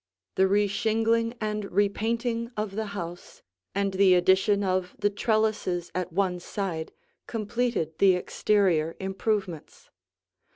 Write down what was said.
The reshingling and repainting of the house and the addition of the trellises at one side completed the exterior improvements.